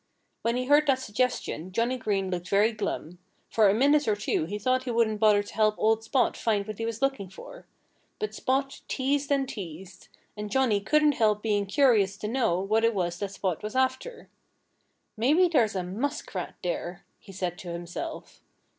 When he heard that suggestion Johnnie Green looked very glum. For a minute or two he thought he wouldn't bother to help old Spot find what he was looking for. But Spot teased and teased. And Johnnie couldn't help being curious to know what it was that Spot was after. "Maybe there's a muskrat here," he said to himself.